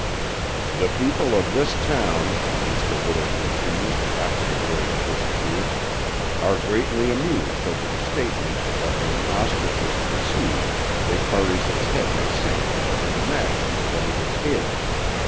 "The people of this town," Mr. Whittle continued, after the boy had disappeared, "are greatly amused over the statement that when an ostrich is pursued, it buries its head in the sand and imagines that it is hid.